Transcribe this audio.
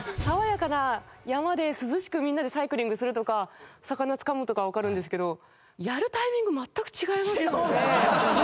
爽やかな山で涼しくみんなでサイクリングするとか魚つかむとかはわかるんですけどやるタイミング全く違いますよね。